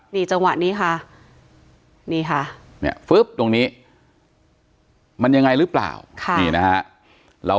นี่จังหวะนี้ค่ะ